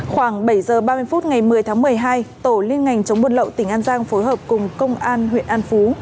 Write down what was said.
khoảng bảy h ba mươi phút ngày một mươi tháng một mươi hai tổ liên ngành chống buôn lậu tỉnh an giang phối hợp cùng công an huyện an phú